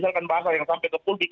misalkan bahasa yang sampai ke pulpit